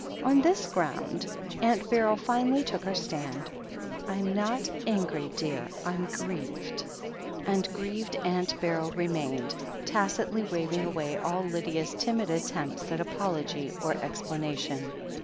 On this ground Aunt Beryl finally took her stand. "Fm not angry, dear — I'm grieved." And grieved Aunt Beryl remained, tacitly waving away all Lydia's timid attempts at apology or explana tion.